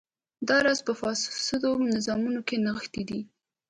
دا راز په فاسدو نظامونو کې نغښتی دی.